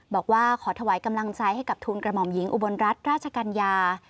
บอกว่าขอถวายกำลังใจให้กับทูลกระหม่อมหญิงอุบลรัฐราชกัญญา